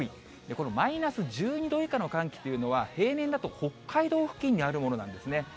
このマイナス１２度以下の寒気というのは、平年だと北海道付近にあるものなんですね。